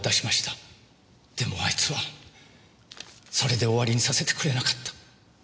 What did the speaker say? でもあいつはそれで終わりにさせてくれなかった。